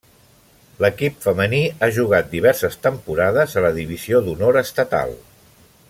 L’equip femení ha jugat diverses temporades a la divisió d’honor estatal.